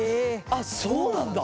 あっそうなんだ。